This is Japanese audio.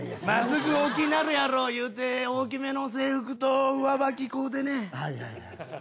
まあすぐ大きいなるやろ言うて大きめの制服と上履き買うてね。